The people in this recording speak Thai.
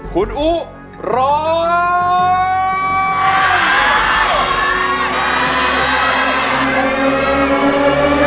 ขุนอุร้อง